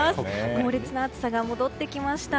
猛烈な暑さが戻ってきました。